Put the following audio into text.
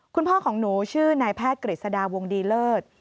คุณพ่อของหนูชื่อนายแพทย์กฤษฎาวงดีเลิศ